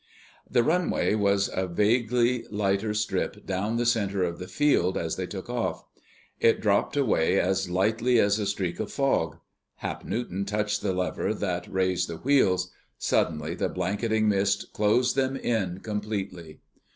The runway was a vaguely lighter strip down the center of the field as they took off. It dropped away, as lightly as a streak of fog. Hap Newton touched the lever that raised the wheels. Suddenly the blanketing mist closed them in completely.